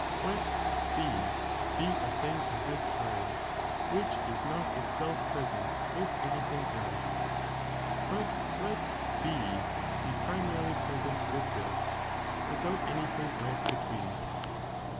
Let C be a thing of this kind wliich is not it self present with any thing else, but let li be pri , marilyt present with this, without any thing else between.